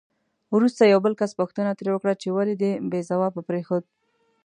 وروسته یو بل کس پوښتنه ترې وکړه چې ولې دې بې ځوابه پرېښود؟